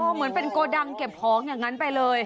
เหมือนเป็นโกดังเก็บของอย่างนั้นไปเลย